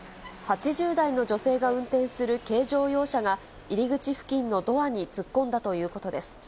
８０代の女性が運転する軽乗用車が、入り口付近のドアに突っ込んだということです。